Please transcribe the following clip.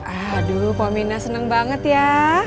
aduh pominah seneng banget ya